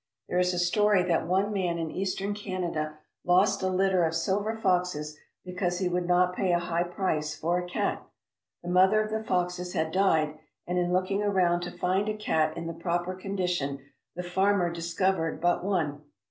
There is a story that one man in eastern Canada lost a litter of silver foxes because he would not pay a high price for a cat. The mother of the foxes had died, and in looking around to find a cat in the proper condition, the farmer discovered but one.